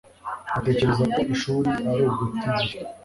atekereza ko ishuri ari uguta igihe.